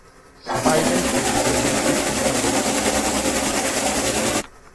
Spider silk প্রযুক্তির উদ্ভাবক।